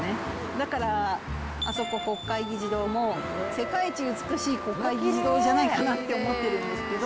だから、あそこ国会議事堂も世界一美しい国会議事堂じゃないかなって思ってるんですけど。